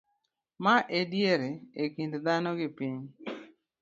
ma ediere e kind dhano gi piny